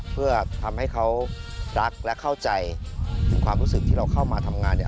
เพื่อทำให้เขารักและเข้าใจถึงความรู้สึกที่เราเข้ามาทำงานเนี่ย